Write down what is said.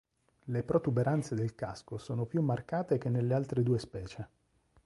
Le protuberanze del casco sono più marcate che nelle altre due specie.